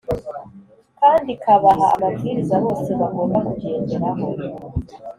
kandi ikabaha amabwiriza bose bagomba kugenderaho.